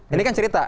ini kan cerita